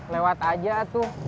lewat aja tuh